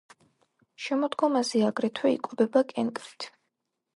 შემოდგომაზე აგრეთვე იკვებება კენკრით.